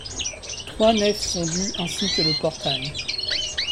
Trois nefs sont du ainsi que le portail.